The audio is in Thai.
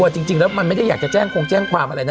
จริงแล้วไม่ถึงจะแจ้งความอะไรนะ